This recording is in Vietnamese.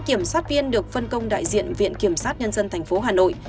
kiểm sát viên được phân công đại diện viện kiểm sát nhân dân tp hà nội